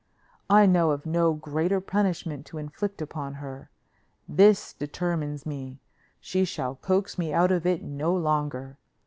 I know of no greater punishment to inflict upon her. This determines me; she shall coax me out of it no longer.